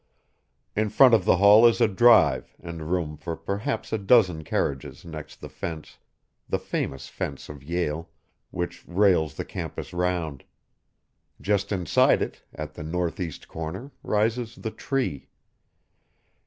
In front of the Hall is a drive, and room for perhaps a dozen carriages next the fence the famous fence of Yale which rails the campus round. Just inside it, at the north east corner, rises the tree.